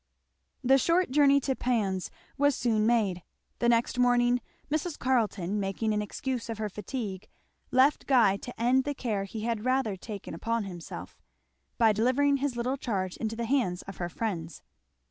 The short journey to Pans was soon made. The next morning Mrs. Carleton making an excuse of her fatigue left Guy to end the care he had rather taken upon himself by delivering his little charge into the hands of her friends.